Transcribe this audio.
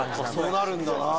そうなるんだなぁ！